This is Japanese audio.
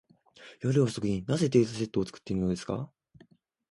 夜遅くに、なぜデータセットを作っているのですか。